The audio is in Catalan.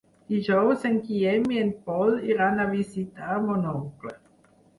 Dijous en Guillem i en Pol iran a visitar mon oncle.